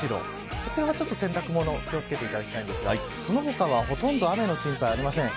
こちらは、ちょっと洗濯物気を付けていただきたいんですがその他はほとんど雨の心配はありません。